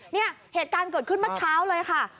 เนี่ยเหตุการณ์เกิดขึ้นเมื่อเช้าเลยค่ะ